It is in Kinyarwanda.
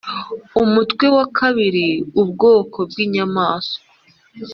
umutwe wa kabiri ubwoko bw inyamaswa